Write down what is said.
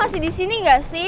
lo masih disini nggak sih